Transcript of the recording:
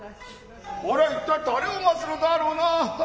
アレは一体誰を待つのであろうな。